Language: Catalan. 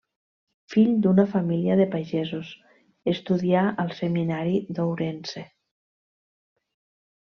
Fill d'una família de pagesos, estudià al seminari d'Ourense.